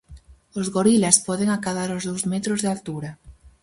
Os gorilas poden acadar os dous metros de altura.